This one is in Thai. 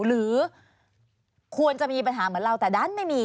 หรือควรจะมีปัญหาเหมือนเราแต่ดันไม่มี